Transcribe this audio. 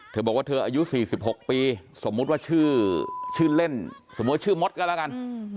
เธอบอกว่าเธออายุ๔๖ปีสมมุติว่าชื่อเล่นสมมุติชื่อมดกันแล้วกัน